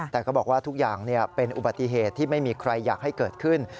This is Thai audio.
แต่ก็บอกว่าทุกอย่างเป็นอุบัติเหตุที่ไม่มีใครอยากให้เกิดขึ้น